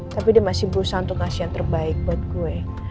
tapi dia masih berusaha untuk ngasih yang terbaik buat gue